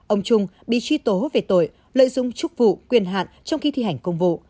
ông trung bị truy tố về tội lợi dụng chức vụ quyền hạn trong khi thi hành công vụ